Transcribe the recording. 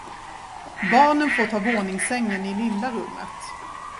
Barnen får ta våningssängen i lilla rummet.